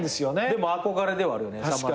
でも憧れではあるよね。